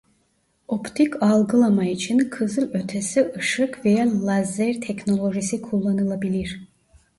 Optik algılama için kızılötesi ışık veya lazer teknolojisi kullanılabilir.